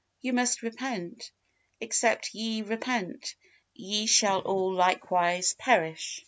_ You must repent. "Except ye repent, ye shall all likewise perish."